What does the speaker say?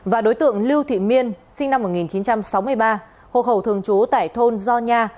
và đối tượng lưu thị miên sinh năm một nghìn chín trăm sáu mươi ba hộ khẩu thường trú tại thôn gio nha